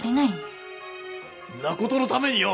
んなことのためによ